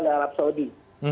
di arab saudi